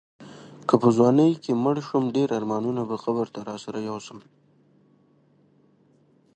که په ځوانۍ کې مړ شوم ډېر ارمانونه به قبر ته راسره یوسم.